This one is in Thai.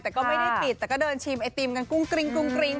แต่ก็ไม่ได้ปิดแต่ก็เดินชิมไอติมกันกุ้งกริ้งกริ้ง